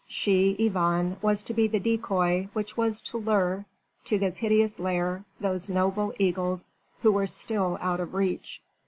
She, Yvonne, was to be the decoy which was to lure to this hideous lair those noble eagles who were still out of reach.